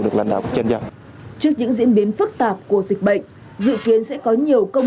được lãnh đạo kiểm nhận trước những diễn biến phức tạp của dịch bệnh dự kiến sẽ có nhiều công